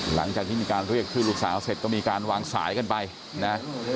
หลังจากที่มีการเรียกชื่อลูกสาวเสร็จก็มีการวางสายกันไปนะ